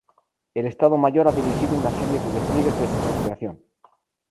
El Estado Mayor ha dirigido una serie de despliegues desde su creación.